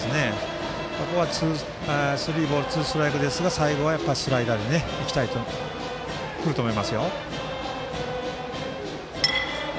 ここはスリーボールツーストライクですが最後はスライダーで来ると思いますよ。